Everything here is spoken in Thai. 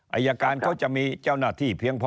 อายการเขาจะมีเจ้าหน้าที่เพียงพอ